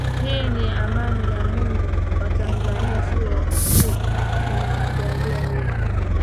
hii ni amani ya mungu watanzania si tumejaliwa hivyo